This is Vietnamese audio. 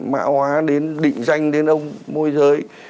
mã hóa đến định danh đến ông môi giới